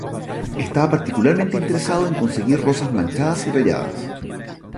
Estaba particularmente interesado en conseguir rosas manchadas y rayadas.